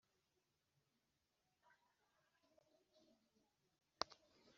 yigira inama yo kumubenga rwihishwa.